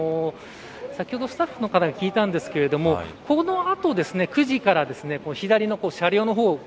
先ほどスタッフの方に聞いたんですけれどもこの後９時から左の車両の方。